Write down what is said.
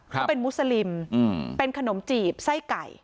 เขาเป็นมุสลิมเป็นขนมจีบไส้ไก่